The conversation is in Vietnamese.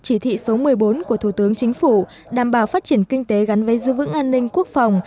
chỉ thị số một mươi bốn của thủ tướng chính phủ đảm bảo phát triển kinh tế gắn với dư vững an ninh quốc phòng